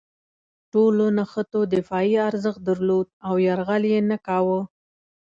ټولو نښتو دفاعي ارزښت درلود او یرغل یې نه کاوه.